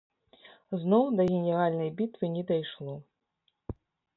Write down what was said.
Зноў да генеральнай бітвы не дайшло.